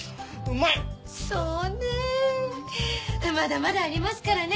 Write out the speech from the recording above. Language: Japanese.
まだまだありますからね。